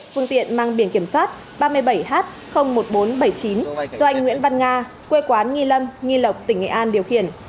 phương tiện mang biển kiểm soát ba mươi bảy h một nghìn bốn trăm bảy mươi chín do anh nguyễn văn nga quê quán nghi lâm nghi lộc tỉnh nghệ an điều khiển